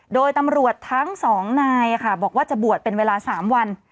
โดยตำรวจทั้ง๒นายบอกว่าจะบวชเป็นเวลา๓วัน